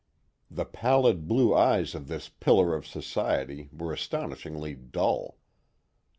The pallid blue eyes of this pillar of society were astonishingly dull.